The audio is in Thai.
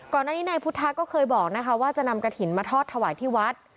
ก่อนหน้านี้นายพุทธะก็เคยบอกนะคะว่าจะนำกระถิ่นมาทอดถวายที่วัด